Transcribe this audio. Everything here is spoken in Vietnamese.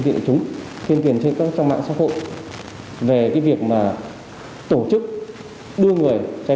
hai mươi vụ và một vụ